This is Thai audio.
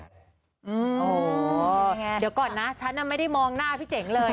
เดี๋ยวก่อนนะฉันไม่ได้มองหน้าพี่เจ๋งเลย